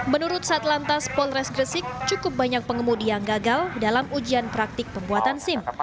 menurut satlantas polres gresik cukup banyak pengemudi yang gagal dalam ujian praktik pembuatan sim